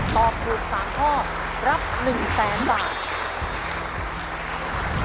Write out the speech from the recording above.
ตอบถูก๓ข้อรับ๑๐๐๐๐๐๐บาท